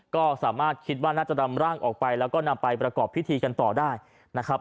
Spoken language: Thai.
ก็สามารถคิดว่าน่าจะนำร่างออกไปแล้วก็นำไปประกอบพิธีกันต่อได้นะครับ